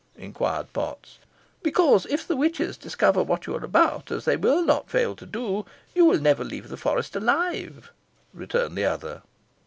inquired Potts. "Because if the witches discover what you are about, as they will not fail to do, you will never leave the forest alive," returned the other.